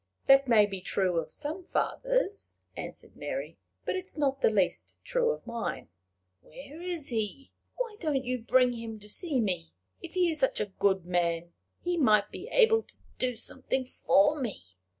"That may be true of some fathers," answered Mary; "but it is not the least true of mine." "Where is he? Why don't you bring him to see me, if he is such a good man? He might be able to do something for me."